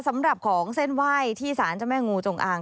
สำหรับของเส้นไหว้ที่สารเจ้าแม่งูจงอาง